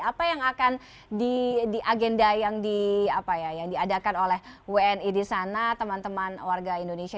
apa yang akan di agenda yang diadakan oleh wni di sana teman teman warga indonesia